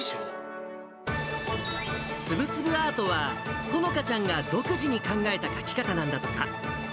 つぶつぶアートは、このかちゃんが独自に考えた描き方なんだとか。